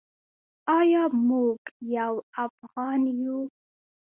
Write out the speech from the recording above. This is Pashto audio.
ایا موږ یو افغان یو؟